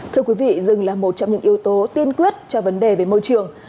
thưa quý vị rừng là một trong những yếu tố tiên quyết cho vấn đề về môi trường